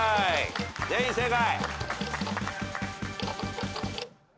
全員正解。